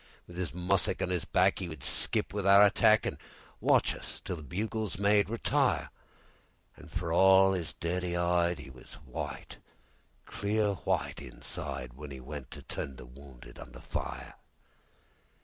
With 'is mussick on 'is back,'E would skip with our attack, An' watch us till the bugles made "Retire."An' for all 'is dirty 'ide,'E was white, clear white, insideWhen 'e went to tend the wounded under fire!